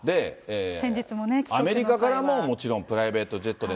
アメリカからももちろんプライベートジェットで。